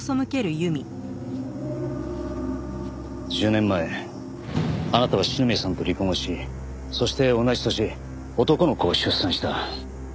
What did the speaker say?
１０年前あなたは篠宮さんと離婚をしそして同じ年男の子を出産した。